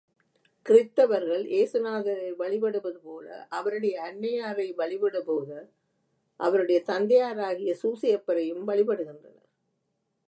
கிறித்தவர்கள் ஏசுநாதரை வழிபடுவது போலஅவருடைய அன்னை யாரை வழிபடுவது போலஅவருடைய தந்தையாராகிய சூசையப்பரையும் வழிபடுகின்றளர்.